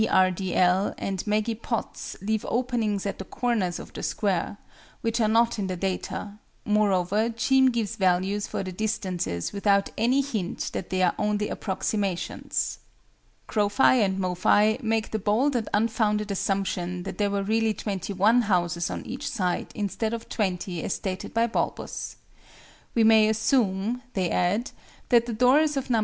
R. D. L., and MEGGY POTTS leave openings at the corners of the Square, which are not in the data: moreover CHEAM gives values for the distances without any hint that they are only approximations. CROPHI AND MOPHI make the bold and unfounded assumption that there were really 21 houses on each side, instead of 20 as stated by Balbus. "We may assume," they add, "that the doors of Nos.